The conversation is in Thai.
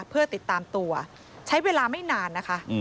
เพื่อติดตามตัวใช้เวลาไม่นานนะคะ